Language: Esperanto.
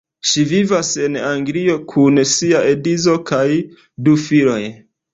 Ŝi vivas en Anglio kun sia edzo kaj du filoj.